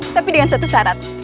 tapi dengan satu syarat